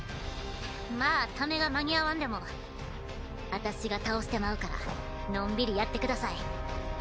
まあためが間に合わんでも私が倒してまうからのんびりやってください。